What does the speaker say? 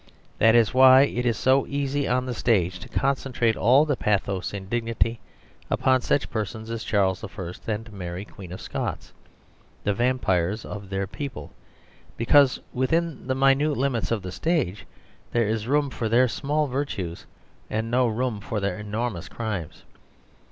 That is why it is so easy on the stage to concentrate all the pathos and dignity upon such persons as Charles I. and Mary Queen of Scots, the vampires of their people, because within the minute limits of a stage there is room for their small virtues and no room for their enormous crimes.